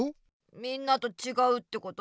みんなとちがうってこと？